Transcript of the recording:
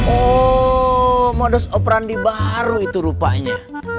oh modus operandi baru itu rupanya